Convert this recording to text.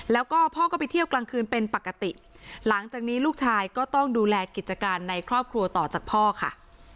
แล้วก็พ่อก็ไปเที่ยวกลางคืนเป็นปกติหลังจากนี้ลูกชายก็ต้องดูแลกิจการในครอบครัวต่อจากพ่อค่ะ